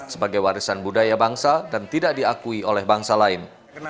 sebagai warisan budaya bangsa dan tidak diakui oleh bangsa lain